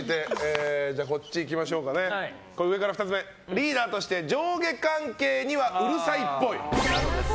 続いて、上から２つ目リーダーとして上下関係にはうるさいっぽい。